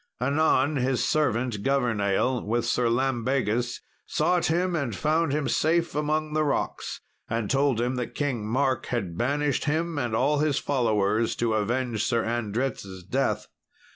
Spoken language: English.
Anon, his servant Governale, with Sir Lambegus sought him and found him safe among the rocks, and told him that King Mark had banished him and all his followers to avenge Sir Andret's death.